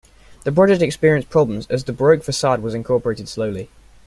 The project experienced problems as the Baroque facade was incorporated slowly.